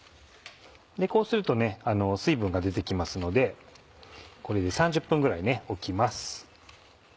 こうすると水分が出て来ますのでこれで３０分ぐらい置きます。